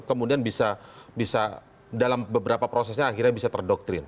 kemudian bisa dalam beberapa prosesnya akhirnya bisa terdoktrin